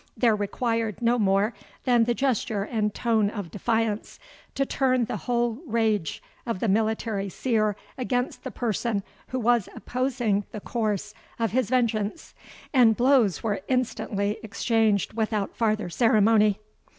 There required no more than the gesture and tone of defiance to turn the whole rage of the military Seer against the person who was opposing the course of his vengeance, and blows were instantly exchanged without farther ceremony.